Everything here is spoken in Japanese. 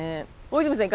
大泉さん